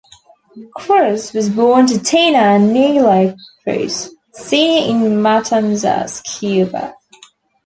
Cruz was born to Tina and Nilo Cruz, Senior in Matanzas, Cuba.